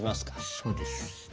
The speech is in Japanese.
そうです。